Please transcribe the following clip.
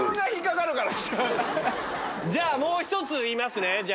じゃあもう一つ言いますね。